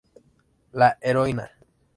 La heroína.